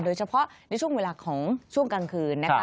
โดยเฉพาะในช่วงเวลาของช่วงกลางคืนนะคะ